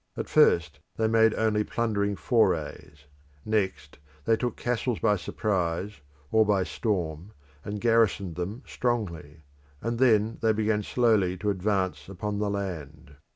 At first they made only plundering forays; next they took castles by surprise or by storm and garrisoned them strongly; and then they began slowly to advance upon the land.